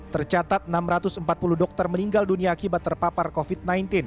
dua ribu dua puluh satu tercatat enam ratus empat puluh dokter meninggal dunia akibat terpapar covid sembilan belas